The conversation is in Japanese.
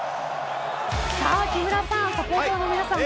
木村さん、サポーターの皆さん